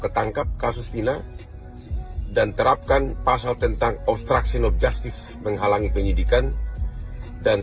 ketangkap kasus kina dan terapkan pasal tentang obstruksi nobjustis menghalangi penyidikan dan